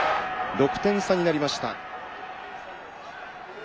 ６点差になりました。